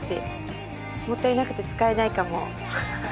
もったいなくて使えないかも。